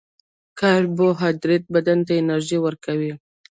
کاربوهایډریټ بدن ته انرژي ورکوي